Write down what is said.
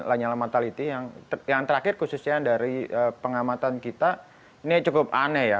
lanyala mataliti yang terakhir khususnya dari pengamatan kita ini cukup aneh ya